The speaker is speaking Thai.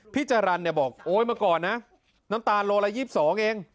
จรรย์เนี่ยบอกโอ๊ยมาก่อนนะน้ำตาลโลละ๒๒เอง